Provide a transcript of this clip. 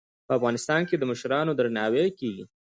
په افغانستان کې د مشرانو درناوی کیږي.